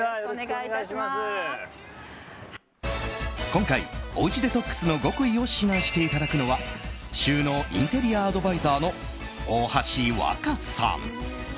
今回、おうちデトックスの極意を指南していただくのは収納インテリアアドバイザーの大橋わかさん。